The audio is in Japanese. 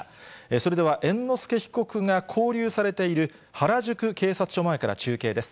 それでは猿之助被告が勾留されている原宿警察署前から中継です。